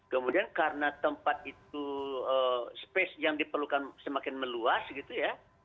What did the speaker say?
kemudian karena tempat itu space yang diperlukan semakin meluas gitu ya